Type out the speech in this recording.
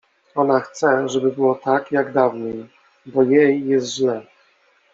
Ona chce, żeby było tak, jak dawniej, bo jej jest źle.